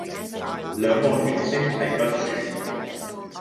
兩岸猿聲啼不住